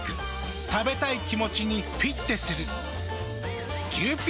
食べたい気持ちにフィッテする。